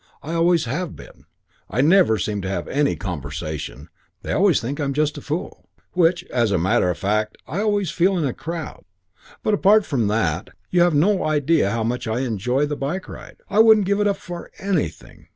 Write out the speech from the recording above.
I always have been. I never seem to have any conversation. They always think I'm just a fool which, as a matter of fact, I always feel in a crowd. But apart from that. You've no idea how much I enjoy the bike ride. I wouldn't give it up for anything.